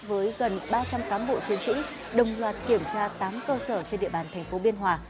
với gần ba trăm linh cán bộ chiến sĩ đồng loạt kiểm tra tám cơ sở trên địa bàn thành phố biên hòa